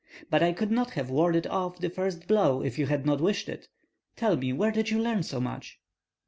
But I could not have warded off the first blow if you had not wished it. Tell me where did you learn so much?"